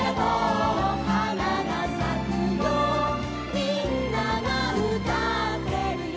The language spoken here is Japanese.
「みんながうたってるよ」